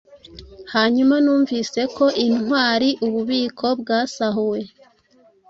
Hanyuma numvise ko intwari ububiko bwasahuwe